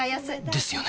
ですよね